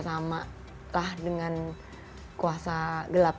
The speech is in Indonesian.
sama lah dengan kuasa gelap